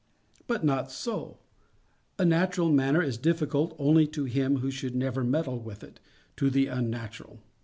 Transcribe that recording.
But not so:—a natural manner is difficult only to him who should never meddle with it—to the unnatural.